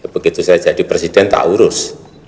begitu saya jadi presiden tak urus